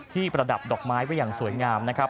ประดับดอกไม้ไว้อย่างสวยงามนะครับ